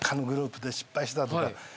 グループで失敗したとか。